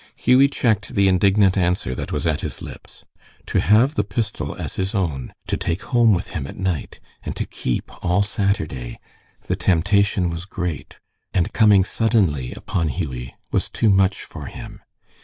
Hughie checked the indignant answer that was at his lips. To have the pistol as his own, to take home with him at night, and to keep all Saturday the temptation was great, and coming suddenly upon Hughie, was too much for him.